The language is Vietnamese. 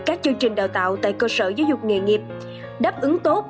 các chương trình đào tạo tại cơ sở giáo dục nghề nghiệp đáp ứng tốt